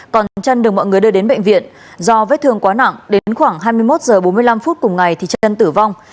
còn trân được mọi người đưa đến bệnh viện do vết thương quá nặng đến khoảng hai mươi một h bốn mươi năm cùng ngày thì trân tử vong